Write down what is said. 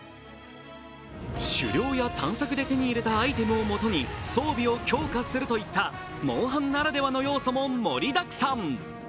狩猟や探索で手に入れたアイテムをもとに装備を強化するといった「モンハン」ならではの要素も盛りだくさん。